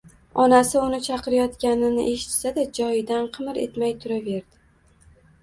Onasi uni chaqirayotganini eshitsa-da, joyidan qimir etmay turaverdi